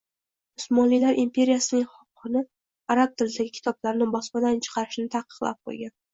Usmonlilar imperiyasining xoqoni arab tilidagi kitoblarni bosmadan chiqarishni taqiqlab qoʻygan.